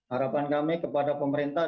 harapan kami kepada pemerintah